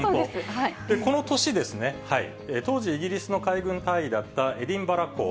この年ですね、当時イギリスの海軍大尉だったエディンバラ公